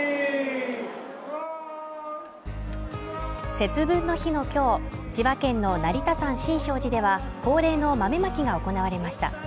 節分の日のきょう千葉県の成田山新勝寺では恒例の豆まきが行われました